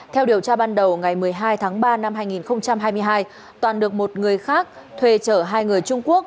theo điều tra ban đầu ngày một mươi hai tháng ba năm hai nghìn hai mươi hai toàn được một người khác thuê chở hai người trung quốc